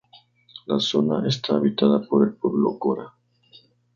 La zona está habitada por el Pueblo cora.